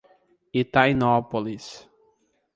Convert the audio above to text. Itainópolis